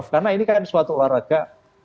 karena ini kan suatu olahraga